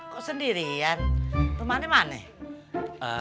kok sendirian rumahnya mana